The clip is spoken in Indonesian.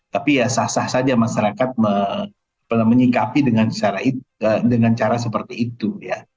tapi ya sah sah saja masyarakat menyikapi dengan cara seperti itu ya